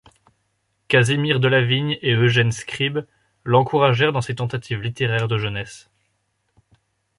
Casimir Delavigne et Eugène Scribe l'encouragèrent dans ses tentatives littéraires de jeunesse.